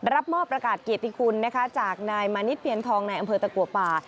รับมอบประกาศเกียรติคุณนะคะจากนายมานิดเพียรทองในอำเภอตะกัวป่า